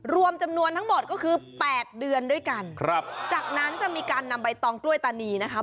รวมจำนวนทั้งหมดก็คือแปดเดือนด้วยกันครับจากนั้นจะมีการนำใบตองกล้วยตานีนะคะ